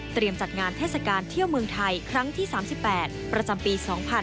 จัดงานเทศกาลเที่ยวเมืองไทยครั้งที่๓๘ประจำปี๒๕๕๙